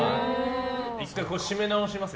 １回締め直します？